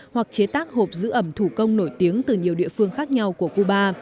hoặc chế tác hộp giữ ẩm thủ công nổi tiếng từ nhiều địa phương khác nhau của cuba